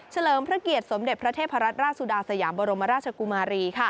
เลิมพระเกียรติสมเด็จพระเทพรัตนราชสุดาสยามบรมราชกุมารี